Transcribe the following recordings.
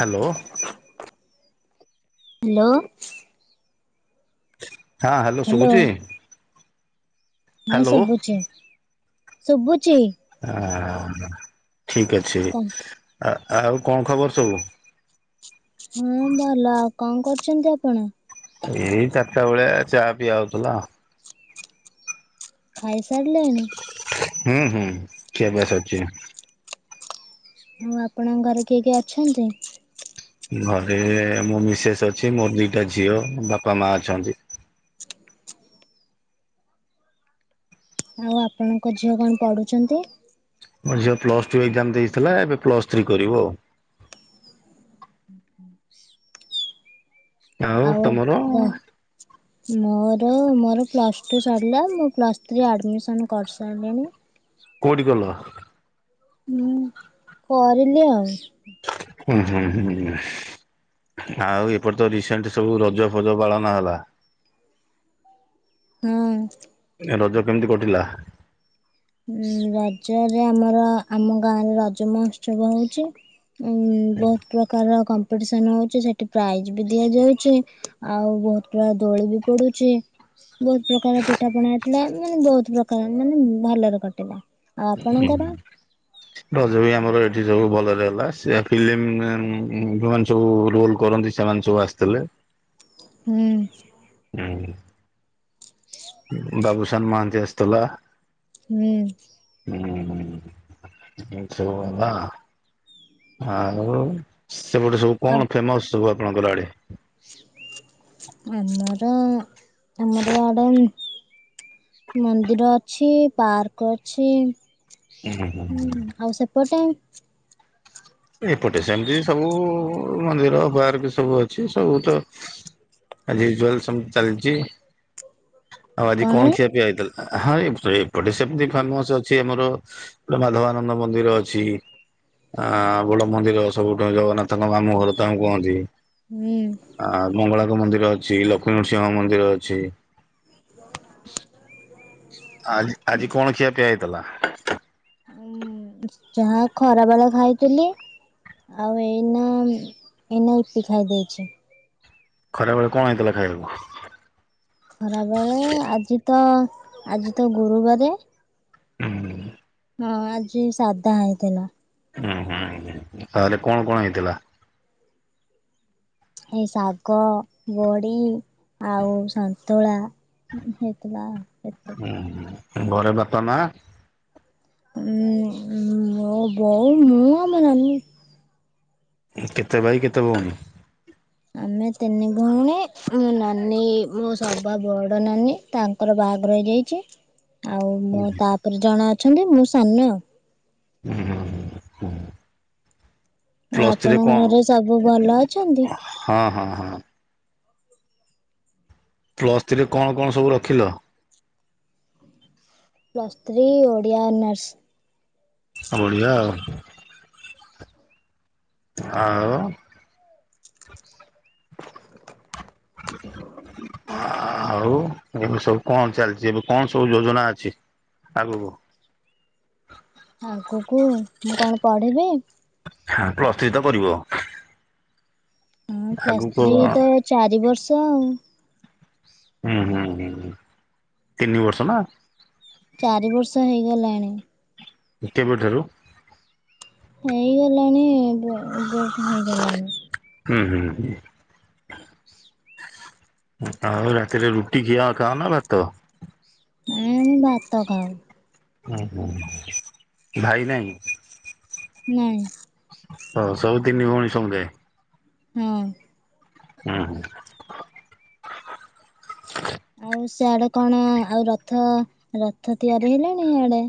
Hello. Hello. ହଁ hello ଶୁଭୁଛି। ହୁଁ ହ୍ୟାଲୋ ଶୁଭୁଛି ଶୁଭୁଛି। ଆଁ ଠିକ ଅଛି। ହଁ ଆ ଆଉ କଣ ଖବର ସବୁ। ହୁଁ ଭଲ ଆଉ କଣ କରୁଛନ୍ତି ଆପଣ। ଏତେବେଳେ ଚା ପିଆ ହଉଥିଲା। ଖାଇ ସାରି ଲେଣି। ହୁଁ ହୁଁ ଖିଆ ପିଆ ସରିଚି। ଉଁ ଆପଣଙ୍କ ଘରେ କିଏ କିଏ ଅଛନ୍ତି। ଘରେ ମୋ ମିସେସ୍ ଅଛି ମୋର ଦିଟା ଝିଅ ବାପା ମା ଅଛନ୍ତି। ଆଉ ଆପଣଙ୍କ ଝିଅ କଣ ପଢୁଛନ୍ତି। ମୋର ଝିଅ ପ୍ଲସ ଟୁ ଏକଜାମ ଦେଇଥିଲା ଏବେ ପ୍ଲସ ଥ୍ରୀ କରିବ ଆଉ। ଆଉ ତମର। ମୋର ମୋର ପ୍ଲସ୍ ଟୁ ସଡ଼ିଲା ମୁଁ ପ୍ଲସ୍ ଥ୍ରୀ ଆଡ଼ମିସନ୍ କରିସାରିଲିଣି କୋଉଠି କଲ? ହୁଁ କରିଲି ଆଉ ହୁଁ ହୁଁ ହୁଁ ଆଉ ଏପଟ ତ ରିସେଣ୍ଟ ସବୁ ରଜ ଫଜ ପାଳନ ହେଲା ହୁଁ ରଜ କେମିତି କଟିଲା? ରଜରେ ଆମର ଆମ ଗାଁରେ ରଜ ମହୋତ୍ସବ ହଉଛି। ଉ ବହୁତ ପ୍ରକାରର କମ୍ ହଉଛି ସେଠି ପ୍ରାଇଜ ବି ଦିଆଯାଉଛି ଆଉ ବହୁତ ପ୍ରା ଦୋଳି ବି ପଡୁଛି। ବହୁତ ପ୍ରକାର ପିଠା ପଣା ହେଥିଲା ମାନେ ବହୁତ ପ୍ରକାର ମାନେ ଭଲରେ କଟିଲା। ଆଉ ଆପଣଙ୍କର? ରଜ ଆମର ଏଠି ସବୁ ଭଲରେ ହେଲା, ସେ ଫିଲ୍ମ ଯୋଉମାନେ ସବୁ ରୋଲ କରନ୍ତି, ସେମାନେ ସବୁ ସବୁ ଆସିଥିଲେ। ହୁଁ ହଁ ବାବୁସନ୍ ମହାନ୍ତି ଆସିଥିଲା ହୁଁ ହଁ ଚ ଆଉ ସେପଟେ ସବୁ କଣ ଫେମସ ସବୁ ଆପଣଙ୍କର ଆଡେ ଆମରା ଆମର ଆଡ [unintelligible] ମନ୍ଦିର ଅଛି, ପାର୍କ ଅଛି। ହୁଁ, ଆଉ ସେପଟେ ଏପଟେ ସେମତି ସବୁ, ମନ୍ଦିର ପାର୍କ ସବୁ ଅଛି, ସବୁ ତ ଆଜି ଜୁଲତି [unintelligible] ଚାଲିଛି ଆଉ ଆଜି କଣ ଖିଆ ପିଇବା ହେଇ ହଁ ଏ ଏପଟେ ସେମତି ଫେମସ ଅଛି, ଆମର ଗୋଟେ ମାଧବାନନ୍ଦ ମନ୍ଦିର ଅଛି। ହଁ ବଡ ମନ୍ଦିର ସବୁଠୁ ଜଗନ୍ନାଥଙ୍କ ମାମଁ ଘର ତାଙ୍କୁ କୁହନ୍ତି, ହୁଁ। ଆ ମଙ୍ଗଳା ମନ୍ଦିର ଅଛି, ଲକ୍ଷ୍ମୀ ନୃସିଂହ ମନ୍ଦିର ଅଛି। [inaudible] ଆଜି ଆଜି କଣ ଖିଆ ପିଆ ହେଇଥିଲା? ଉ ଯାହା ଖରା ଵେଲା ଖାଇଥିଲି। ଆଉ ଏନା ଏନା ୟୁ ପି ଖାଇ ଦେଇଛି। ଖରା ବେଳେ କଣ ହେଇଥିଲା ଖାଇବାକୁ? ଖରା ବେଳେ ଆଜି ତ, ଆଜି ତ ଗୁରୁବାର ହୁଁ ହଁ ଆଜି ସାଧା ହେଇଥିଲା। ହୁଁ, ହୁଁ, ତାହଲେ କଣ କଣ ହେଇଥିଲା? ଏଇ ଶାଗ, ବଡି ଆଉ ସନ୍ତୁଳା ହେଇଥିଲା। ଏତେ ହଁ ଘରେ ବାପା ମା। ମୋ ବୋଉ, ମୁଁ ଆଉ ମୋ ନାନୀ। କେତେ ଭାଇ, କେତେ ଭଉଣୀ? ଆମେ ତିନି ଭଉଣୀ, ମୋ ନାନୀ, ମୋ ସବା ବଡ ନାନୀ, ତାଙ୍କର ବା ବାହାଘର ହେଇଯାଇଛି ଆଉ ମୋ ତାପରେ ଜଣ ଅଛନ୍ତି, ମୁଁ ସାନ ଆ ହୁ ହ ହ ହୁଁ ଆଉ ପ୍ଲସ୍ ଥ୍ରୀ ରେ ଆପଣଙ୍କ ଘରେ ସବୁ ଭଲ କଣ? ଅଛନ୍ତି? ହଁ ହଁ ହଁ। ପ୍ଲସ୍ ଥ୍ରୀ ରେ କଣ କଣ ସବୁ ରଖିଲ? Plus three Odia honours. ହ ବଢିଆ ଆଉ ଆଉ [inaudible] ଆଉ ଏବେ ସବୁ କଣ ଚାଲିଛି ଏବେ କଣ ସବୁ ଯୋଜନା ଅଛି? ଆଗ କୁହ। ଆଗକୁ ମୁଁ କଣ ପଢିବି? ହଁ ପ୍ଲସ୍ ଥ୍ରି ତ କରିବ। ଉଁ ପ୍ଲସ୍ ଆଗକୁ ଥ୍ରି ହୁଁ ତ ଚାରି ବର୍ଷ ଆଉ। ହୁଁ ହୁଁ ହୁଁ ତିନି ବର୍ଷ ନା। ଚାରି ବର୍ଷ ହେଇଗଲାଣି। କେବେ ଠାରୁ? ହେଇଗଲାଣି ଏବେ ଏବେ ଠୁଁ ହେଇଗଲାଣି। [inaudible] ଆଉ ରାତିରେ ରୁଟି ଖିଆ ଖାଅନା ଭାତ? ନାଇଁ ଆମେ ଭାତ ଖାଉ। ହୁଁ ହୁଁ ହୁଁ ଭାଇ ନାହିଁ? ନାଇଁ। ଅ ସବୁ ତିନି ଭଉଣୀ ସମୁଦାୟ। ହୁଁ। ଉଁ ହୁଁ। ଆଉ ସେଆଡେ କଣ ଆଉ ରଥ ରଥ ତିଆରି ହେଲାଣି ହେଆଡେ?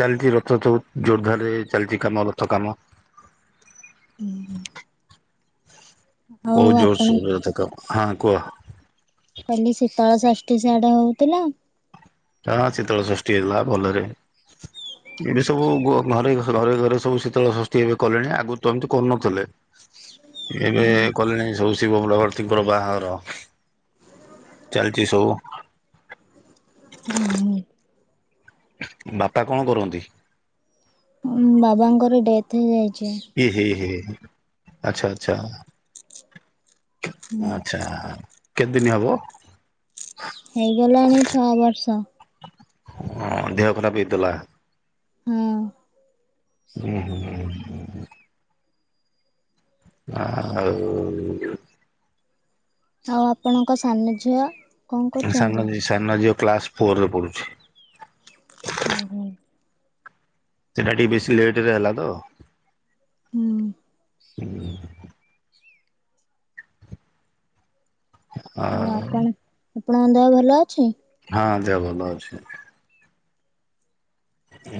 ଚାଲିଚି ରଥ ଚଉତ୍ ଜୋରଦାରରେ ଚାଲିଚି କାମ ରଥ କାମ। ଉଁ ହୁଁ। ବହୁତ ଜୋରସୋରରେ ରଥ କାମ ହଁ ହଁ କୁହ। କାଲି ଶୀତଳ ଷଷ୍ଠୀ ସିଆଡେ ହଉଥିଲା? [unintelligible] ଶୀତଳ ଷଷ୍ଠୀ ହେଲା ଭଲରେ। ଏବେ ସବୁ ଘ-ଘରେ ଘରେ ଘରେ ସବୁ ଶୀତଳ ଷଷ୍ଠୀ ଏବେ କଲେଣି। ଆଗରୁ ତ ଏମିତି କରୁନଥିଲେ। [inaudible] ଏବେ କଲେଣି ସବୁ। ଶିବ ପାର୍ବତୀ ଙ୍କର ବାହାଘର ଚାଲିଛି ସବୁ। ଓହୋ। ବାପା କଣ କରନ୍ତି? ବାବାଙ୍କର ଡେଥ୍ ହେଇଯାଇ ଏ ହେ ହେ ଆଚ୍ଛା ଆଚ୍ଛା। ଆଚ୍ଛା କେତେଦିନ ହବ? ହେଇଗଲାଣି ଛଅ ବର୍ଷ। ହଁ ଦେହ ଖରାପ ହେଇଥିଲା। ହୁଁ। ହୁଁ ହୁଁ ହୁଁ। ଆଉ ଆଉ ଆପଣଙ୍କ ସାନ ଝିଅ। କଣ କରୁଛନ୍ତି? ସାନ ଝିଅ ସାନ ଝିଅ କ୍ଲାସ ଫୋରରେ ପଢୁଛି। ହୁଁ ହୁଁ। ସେଟା ଟିକେ ବେଶୀ ଲେଟ ରେ ହେଲା ତ। ହୁଁ। ଆଉ। ଆପଣଙ୍କ ଦେହ ଭଲ ଅଛି। ହଁ ଦେହ ଭଲ ଅଛି।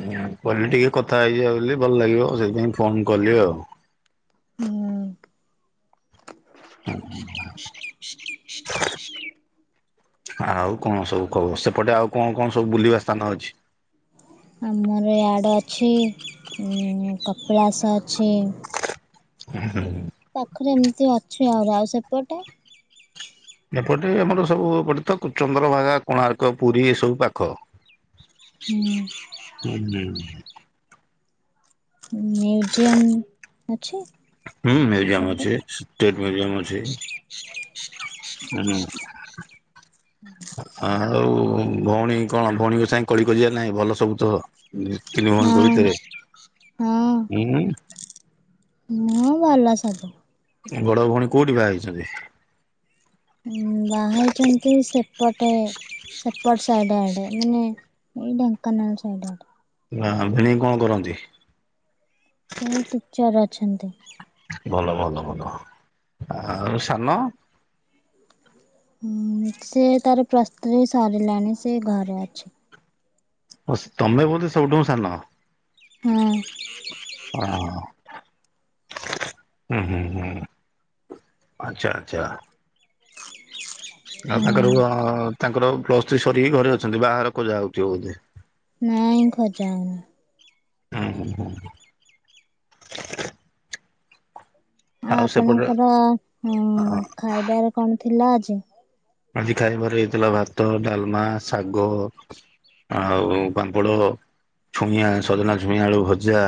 ଉଁ କହିଲି ଟିକେ କଥା ହେଇଯିବା ବୋଲି ଭଲ ଲାଗିବ ସେଇଥିପାଇଁ ଫୋନ କଲି ଆଉ। ହୁଁ। [inaudible] [inaudible] ଆଉ କଣ ସବୁ କହ ସେପଟେ ଆଉ କଣ କଣ ସବୁ ବୁଲିବା ସ୍ଥାନ ଅଛି? ଆମର ୟାଡେ ଅଛି ଉଁ କପିଳାସ ଅଛି। ଉହୁଁ। ପାଖରେ ଏମିତି ଅଛ ଆହୁର ଆଉ ସେପଟେ? ଏପଟେ ଆମର ସବୁ ଏପଟେ ତ ଚନ୍ଦ୍ରଭାଗା କୋଣାର୍କ ପୁରୀ ଏ ସବୁ ପାଖ ହୁଁ [inaudible] ହୁଁ। ମ୍ୟୁଜିୟମ୍ ଅଛି? ହୁଁ ମ୍ୟୁଜିୟମ ଅଛି, ଷ୍ଟେଟ୍ ମ୍ୟୁଜିୟମ ଅଛି। ହୁଁ [inaudible] ଆଉ ଉ ଭଉଣୀ କଣ, ଭଉଣୀଙ୍କ ସାଙ୍ଗେ କଳିିକଜିଆ ନାହିଁ ଭଲ ସବୁ ତ ହୁଁ ତିନି ହଁ ଭଉଣୀଙ୍କ ଭିତରେ ଉଁ। ହୁଁ ଭଲ ସବୁ। ବଡ ଭଉଣୀ କୋଉଠି ବାହାହେଇଛନ୍ତି? ଉଁ ବାହାହେଇଛନ୍ତି ସେପଟେ ସେପଟ ସାଇଡ ଆଡେ ମାନେ ଏଇ ଢେଙ୍କାନାଳ ସାଇଡ ଆଡେ। ନା ଭିଣେଇ କଣ କରନ୍ତି? ଉ ଟିଚର ଅଛନ୍ତି। ଭଲ ଭଲ ଭଲ, ଆଉ ସାନ? ହଁ ସେ ତାର ପ୍ଲସ ଥ୍ରି ସରିଲାଣି ସେ ଘରେ ଅଛି। ସ୍ ତମେ ବୋଧେ ସବୁଠୁ ହୋ ସାନ? ହୁଁ। ହଁ [inaudible] ହୁଁ ହୁଁ ହୁଁ ଆଚ୍ଛା ଆଚ୍ଛା। ଆଉ ହଁ ତାଙ୍କର ଅ ତାଙ୍କର ପ୍ଲସ ଥ୍ରି ସରିକି ଘରେ ଅଛନ୍ତି। ବାହାଘର ଖୋଜା ହଉଥିବ ବୋଧେ। ନାଇଁ ଖୋଜା ହଉନି। ହୁଁ। [inaudible] ଆ ଆଉ ସେପଟେ ଆପଣଙ୍କର ଉଁ ଖାଇବାରେ କଣ ଥିଲା ଆଜି? ଆଜି ଖାଇବାର ହେଇଥିଲା ଭାତ ଡାଲମା ଶାଗ ଆଉ ପାମ୍ପଡ଼ ଛୁଇଁଆଁ, ସଜନା ଛୁଇଁ ଆଳୁ ଭଜା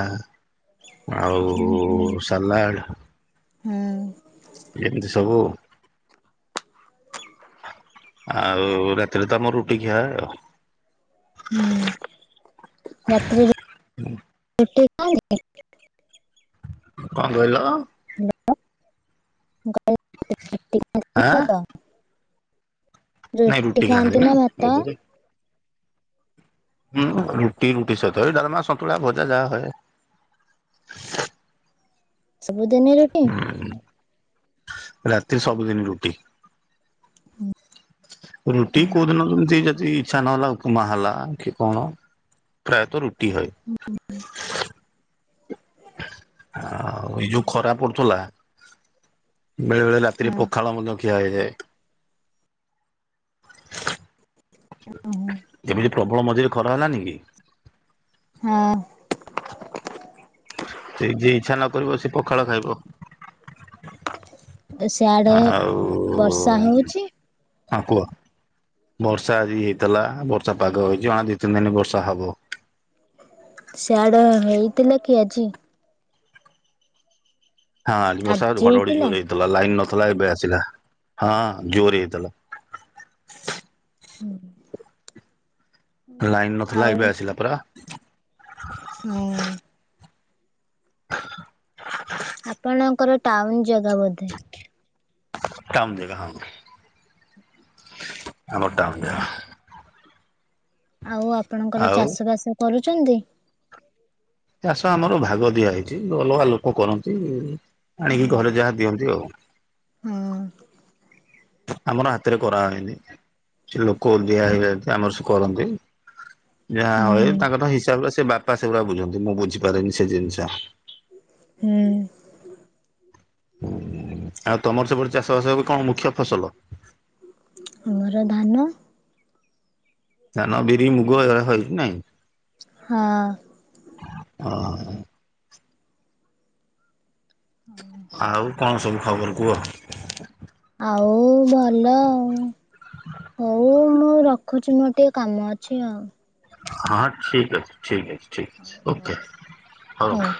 ଆଉ ହୁଁ ହୁଁ ସାଲାଡ ହଁ ଏମିତି ସବୁ ଆଉ ରାତିରେ ତ ଆମର ରୁଟି ଖିଆ ଆଉ। ହୁଁ ରାତିରେ ରୁ ଟି। [unintelligible] କଣ କହିଲ? ଆଁ [unintelligible] ରୁଟି ଖାଆନ୍ତି ନା ଭାତ? ହୁଁ ରୁଟି ରୁଟି ସହିତ ଏ ଡ଼ାଲମା ସନ୍ତୁଳା ଭଜା ଯାହା ହଏ। [inaudible] ସବୁଦିନି ରୁଟି? ରାତି ସବୁଦିନି ରୁଟି। ରୁଟି କୋଉଦିନ ଯିଏ ଯଦି ଇଛା ନହେଲା, ଉପମା ହେଲା କି କଣ ପ୍ରାୟତଃ ରୁଟି ହଏ ଆଉ ଏଇ ଯୋଉ ଖରା ପଡୁଥିଲା ବେଳେ ବେଳେ ରାତିରେ ହଁ ପଖାଳ ମଧ୍ୟ ଖିଆ ହେଇଯାଏ ହଁ। ଏମିତି ପ୍ରବଳ ମଝିରେ ଖରା ହେଲାନି କି? ହଁ। [inaudible] ସେ ଯିଏ ଇଚ୍ଛା ନ କରିବ ସେ ପଖାଳ ଖାଇବ ସିଆଡେ ଆଉ ବର୍ଷା ହଉଛି ହ କୁହ। ବର୍ଷା ଆଜି ହେଇଥିଲା। ବର୍ଷା ପାଗ ହେଇଛି ଜଣେ ଦି ତିନି ଦିନ ବର୍ଷା ହବ। ସିଆଡେ ହେଇଥିଲା କି ଆଜି? ହଁ ଆଜି ବର୍ଷା ଘଡଘଡି ଜୋର ହେଇଥିଲା ଲାଇନ ନ ଥିଲା ଏବେ ଆସିଲା। ହଁ ଜୋର ହେଇଥିଲା। ହୁଁ। ଲାଇନ ନଥିଲା ଏବେ ଆସିଲା ପରା। ହୁଁ। ଆପଣଙ୍କର ଟାଉନ ଜାଗା ବୋଧେ। କାମ ଦେବ ହଁ। ଆମର ଟାଉନ ଜାଗା। ଆଉ ଆପଣଙ୍କର ଆଉ ଚାଷ ବାସ କରୁଚନ୍ତି। ଚାଷ ଆମର ଭାଗ ଦିଆ ହେଇଚି। ଅଲଗା ଲୋକ କରନ୍ତି ଆଣିକି ହୁଁ ଘରେ ଯାହା ଦିଅନ୍ତି ଆଉ। ହଁ। ଆମର ହାତରେ କରାହେନି। ସେ ଲୋକ ଦିଆ ହେଇଯାନ୍ତି ଆମର ସେ କରନ୍ତି। ଯାହା ହଏ ହୁଁ ତାଙ୍କର ତ ହିସାବରେ ସେ ବାପା ସେଗୁଡା ବୁଝନ୍ତି ମୁଁ ବୁଝିପାରେନି ସେ ଜିନିଷ। ହୁଁ। ଆଉ ତମର ସେପଟେ ଚାଷ ବାସ ଏବେ କଣ? ମୁଖ୍ୟ ଫସଲ। ଆମର ଧାନ ଧାନ ବିରି ମୁଗ ହେରାହେଇଚି ନା ହଏ ନାଇଁ ହଁ। ଅ ଆଉ କଣ ସବୁ ଖବର କୁହ? ଆଉ ଭଲ ଆଉ ହୋଉ। ମୁଁ ରଖୁଚି ମୋର ଟିକେ କାମ ଅଛି ଆଉ। ହଁ ଠିକ ଅଛି ଠିକ ଅଛି। ଠିକ୍ ଅଛି ହଉ ଓକେ ହଉ ହୋଉ ରଖ୍। ହଉ